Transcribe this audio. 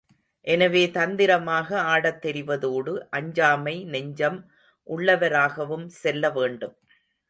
எனவே, தந்திரமாக ஆடத் தெரிவதோடு, அஞ்சாமை நெஞ்சம் உள்ளவராகவும் செல்ல வேண்டும்.